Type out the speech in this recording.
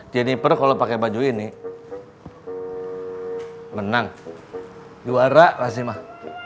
janiper kalau pakai baju ini menang juara kasih mah